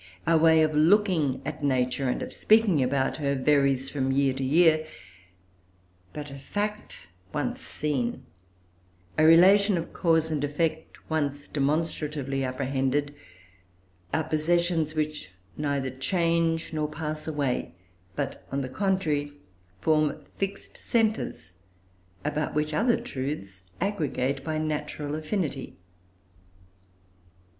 Our way of looking at Nature, and of speaking about her, varies from year to year; but a fact once seen, a relation of cause and effect, once demonstratively apprehended, are possessions which neither change nor pass away, but, on the contrary, form fixed centres, about which other truths aggregate by natural affinity.